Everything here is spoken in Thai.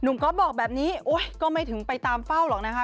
ก๊อฟบอกแบบนี้โอ๊ยก็ไม่ถึงไปตามเฝ้าหรอกนะคะ